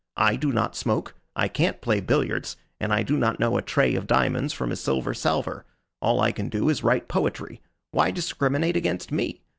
I do not smoke, I can't play billiards, and I do not know a trey of diamonds from a silver salver. All I can do is write poetry. Why discriminate against me?